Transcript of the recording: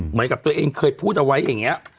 เหมือนกับตัวเองเคยพูดเอาไว้อย่างนี้